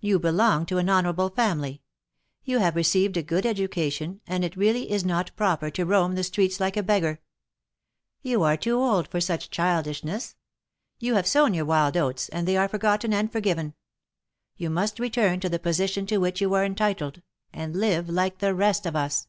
You belong to an honorable family ; you have received a good education, and it really is not proper to roam the streets like a beggar. You are too old for such childish ness. You have sown your wild oats, and they are for gotten and forgiven. You must return to the position to which you are entitled, and live like the rest of us."